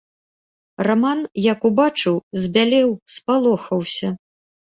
Раман, як убачыў, збялеў, спалохаўся.